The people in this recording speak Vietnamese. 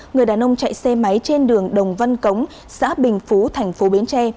người đàn ông chạy xe máy trên đường đồng văn cống xã bình phú thành phố bến tre